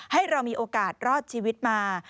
ให้เรามีโอกาสรอดชีวิตมา